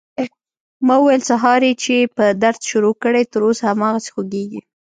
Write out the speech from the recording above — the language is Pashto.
ما وويل سهار يې چې په درد شروع کړى تر اوسه هماغسې خوږېږي.